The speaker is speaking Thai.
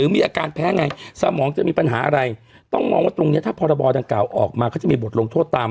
อืมอืมอืมอืมอืมอืมอืมอืมอืมอืมอืมอืม